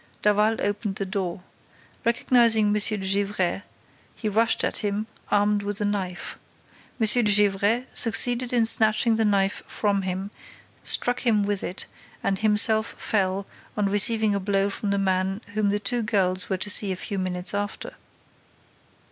Daval opened the door. Recognizing M. de Gesvres, he rushed at him, armed with the knife. M. de Gesvres succeeded in snatching the knife from him, struck him with it and himself fell, on receiving a blow from the man whom the two girls were to see a few minutes after."